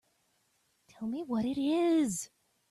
Tell me what it is.